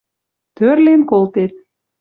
Тӧрлен колтет